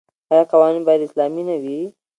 آیا قوانین باید اسلامي نه وي؟